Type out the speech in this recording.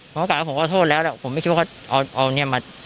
ผมก็กลับแล้วผมก็โทษแล้วแต่ผมไม่คิดว่าเขาเอาเอาเนี่ยมา